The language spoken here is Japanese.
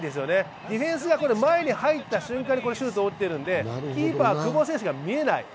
ディフェンスが前に入った瞬間にシュートを打っているのでキーパー、久保選手が見えない。